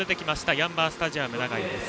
ヤンマースタジアム長居です。